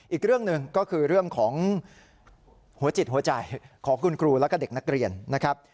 อีกเรื่องหนึ่งก็คือเรื่องของหัวจิตหัวใจของคุณครูแล้วก็เด็กนักเรียนนะครับ